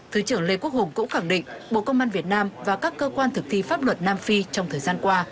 thứ trưởng lê quốc hùng cũng khẳng định bộ công an việt nam và các cơ quan thực thi pháp luật nam phi trong thời gian qua